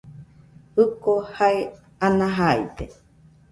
Jiko jae ana jaide.